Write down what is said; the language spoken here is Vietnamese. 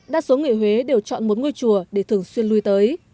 đa số người huế đều chọn một ngôi chùa để thường xuyên lui tới